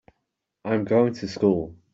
I'm going to school.